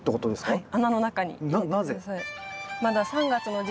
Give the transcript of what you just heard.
はい。